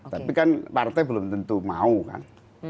tapi kan partai belum tentu mau kan